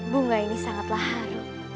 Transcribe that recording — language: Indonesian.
bunga ini sangatlah harum